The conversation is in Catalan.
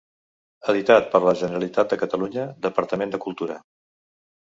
Editat per la Generalitat de Catalunya, Departament de Cultura.